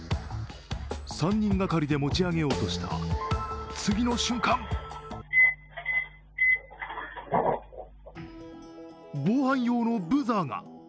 ３人がかりで持ち上げようとした次の瞬間防犯用のブザーが。